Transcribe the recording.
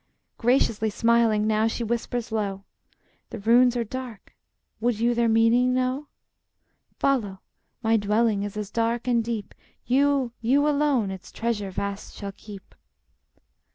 Graciously smiling, now she whispers low: "The runes are dark, would you their meaning know? Follow! my dwelling is as dark and deep; You, you alone, its treasure vast shall keep!"